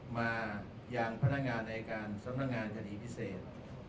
มาอย่างพนักงานอายการสำนักงานคดีพิเศษ